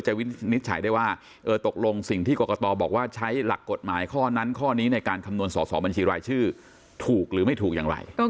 วินิจฉัยได้ว่าตกลงสิ่งที่กรกตบอกว่าใช้หลักกฎหมายข้อนั้นข้อนี้ในการคำนวณสอสอบัญชีรายชื่อถูกหรือไม่ถูกอย่างไร